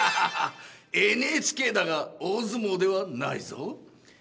ＮＨＫだが大相撲ではないぞ。